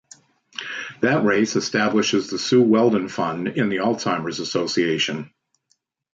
That race establishes the Sue Wheldon Fund in the Alzheimer's Association.